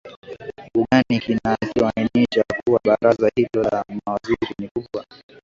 u gani kinachoainisha kuwa baraza hilo la mawaziri ni kubwa